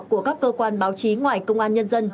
của các cơ quan báo chí ngoài công an nhân dân